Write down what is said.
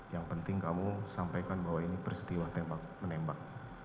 yang penting kamu sampaikan bahwa ini peristiwa tembak menembak